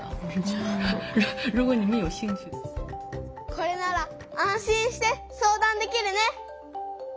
これなら安心して相談できるね！